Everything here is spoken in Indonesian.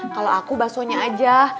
kalau aku baksonya aja